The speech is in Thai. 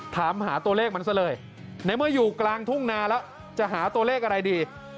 ถามหาตัวเลขมันซะเลยในเมื่ออยู่กลางทุ่งนาแล้วจะหาตัวเลขอะไรดี